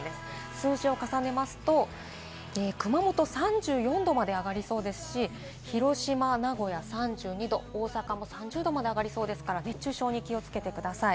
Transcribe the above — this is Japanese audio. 数字を重ねますと、熊本３４度まで上がりそうですし、広島・名古屋３２度、大阪も３０度まで上がりそうですから、熱中症に気をつけてください。